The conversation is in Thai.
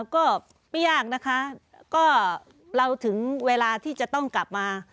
ก็ไม่ยากนะคะก็เราถึงเวลาที่จะต้องกลับมา